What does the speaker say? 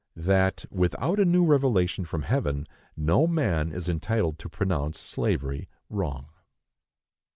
That, without a new revelation from heaven, no man is entitled to pronounce slavery wrong.